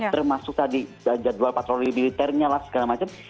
termasuk tadi jadwal patroli militernya lah segala macam